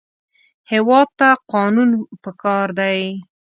هېواد ته قانون پکار دی